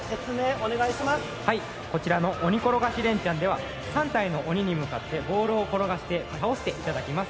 こちらの鬼ころがしレンチャンでは３体の鬼に向かってボールを転がして倒していただきます。